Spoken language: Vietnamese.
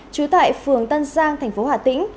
chú tại phường tân giang tp hà tĩnh